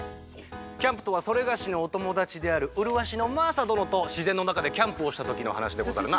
キャンプとはそれがしのおともだちであるうるわしのマーサどのとしぜんのなかでキャンプをしたときのはなしでござるな。